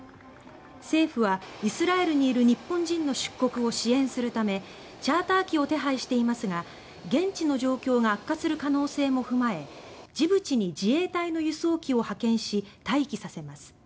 政府はイスラエルにいる日本人の出国を支援するためチャーター機を手配していますが現地の状況が悪化する可能性も踏まえジブチに自衛隊の輸送機を派遣し待機させます。